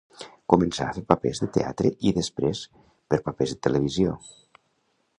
Començà a fer papers de teatre i després per papers de televisió.